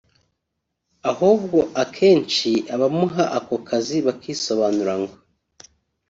ahubwo akenshi abamuha aka kazi bakisobanura ngo